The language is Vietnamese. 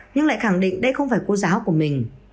nhưng lại khẳng định đây không phải cô giáo của mình